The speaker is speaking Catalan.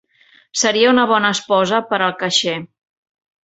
Seria una bona esposa per al caixer.